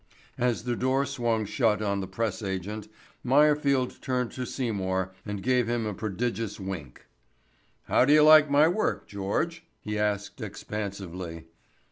As the door swung shut on the press agent, Meyerfield turned to Seymour and gave him a prodigious wink. "How do you like my work, George?" he asked expansively.